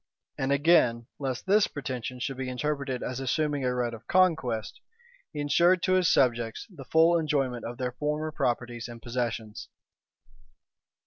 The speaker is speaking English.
And again, lest this pretension should be interpreted as assuming a right of conquest, he insured to his subjects the full enjoyment of their former properties and possessions.